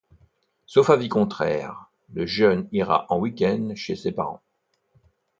Sauf avis contraire, le jeune ira en week-end chez ses parents.